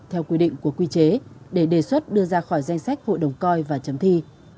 theo quy định của quy chế để đề xuất đưa ra khỏi danh sách hội đồng coi và chấm thi